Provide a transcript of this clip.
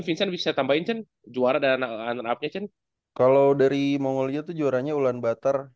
vincent bisa tambahin juara dan runner up nya kalau dari mongolia itu juaranya ulanbater